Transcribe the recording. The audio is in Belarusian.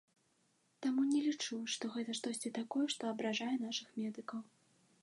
Таму не лічу, што гэта штосьці такое, што абражае нашых медыкаў.